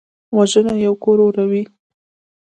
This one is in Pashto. وژنه یو کور اوروي